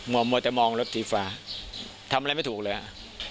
มัวแต่มองรถสีฟ้าทำอะไรไม่ถูกเลยอ่ะ